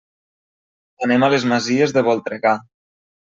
Anem a les Masies de Voltregà.